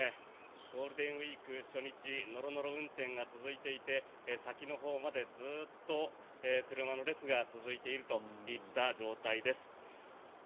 ゴールデンウィーク初日ノロノロ運転が続いていて先のほうまでずっと車の列が続いているといった状態です。